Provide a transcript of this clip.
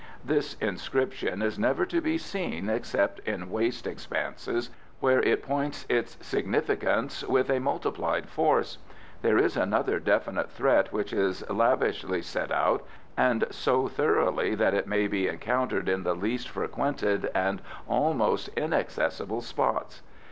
This inscription is never to be seen except in waste expanses, where it points its significance with a multiplied force. There is another definite threat which is lavishly set out, and so thoroughly that it may be encountered in the least frequented and almost inaccessible spots.